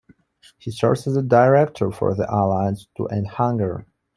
He serves as the Director for The Alliance to End Hunger.